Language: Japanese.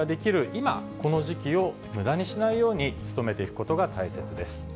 今、この時期をむだにしないように、努めていくことが大切です。